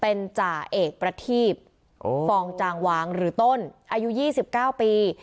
เป็นจ่าเอกประทีปฟองจางวางหรือต้นอายุยี่สิบเก้าปี